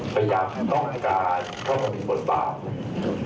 พยายามต้องการเข้ามาเป็นคนต่าง